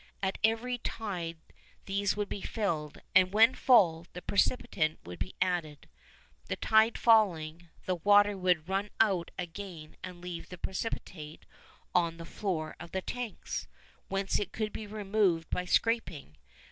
At every tide these would be filled, and when full the precipitant would be added. The tide falling, the water would run out again and leave the precipitate on the floor of the tanks, whence it could be removed by scraping.